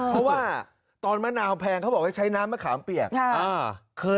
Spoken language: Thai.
เพราะว่าตอนมะนาวแพงเขาบอกให้ใช้น้ำมะขามเปียก